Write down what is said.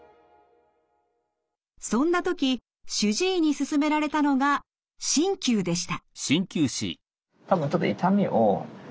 そんな時主治医に勧められたのが鍼灸でした。